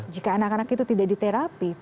jika anak anak itu tidak diterapi